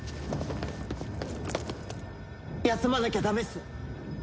休まなきゃダメっす！